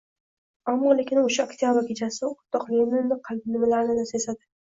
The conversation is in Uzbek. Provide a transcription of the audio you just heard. Ammo-lekin o‘sha Oktyabr kechasi o‘rtoq Leninni qalbi nimalarnidir sezadi.